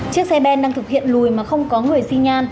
chiếc xe ben đang thực hiện lùi mà không có người xi nhan